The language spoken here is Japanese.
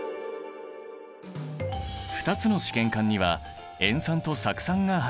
２つの試験管には塩酸と酢酸が入っている。